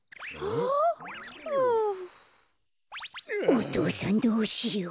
お父さんどうしよう。